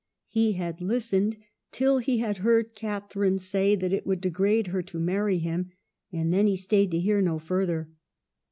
He had listened till he had heard Catharine say that it would degrade her to marry him, and then he stayed to hear no further.